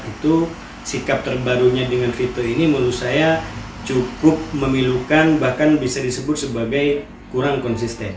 itu sikap terbarunya dengan fitur ini menurut saya cukup memilukan bahkan bisa disebut sebagai kurang konsisten